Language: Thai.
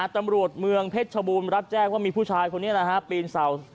ตำรวจเมืองเพชรบูนรับแจ้งว่ามีผู้ชายคนนี้นะครับ